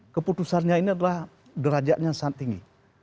keputusannya ini adalah derajatnya sangat tinggi